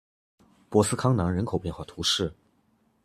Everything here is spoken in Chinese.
博斯康南人口变化图示